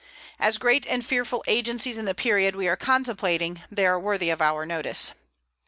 As great and fearful agencies in the period we are contemplating, they are worthy of our notice.